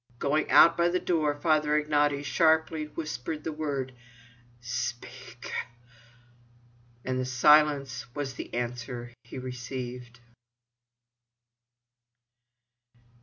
Going out by the door, Father Ignaty sharply whispered the word: "Speak!" And silence was the answer he received.